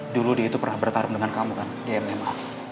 dulu dia itu pernah bertarung dengan kamu kan di mma